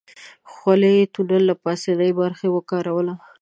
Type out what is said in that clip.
خولۍ يې د تونل له پاسنۍ برخې وکاروله.